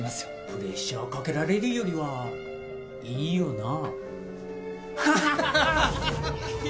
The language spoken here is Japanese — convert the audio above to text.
プレッシャーかけられるよりはいいよな